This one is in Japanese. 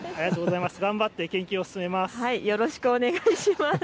頑張って研究を進めます。